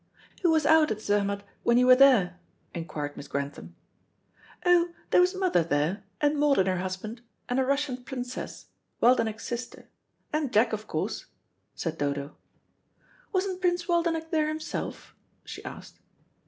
"Who was out at Zermatt when you were there?" inquired Miss Grantham. "Oh, there was mother there, and Maud and her husband, and a Russian princess, Waldenech's sister, and Jack, of course," said Dodo. "Wasn't Prince Waldenech there himself?" she asked.